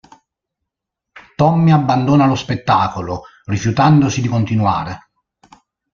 Tommy abbandona lo spettacolo, rifiutandosi di continuare.